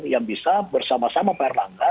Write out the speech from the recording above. yang bisa bersama sama pak erlangga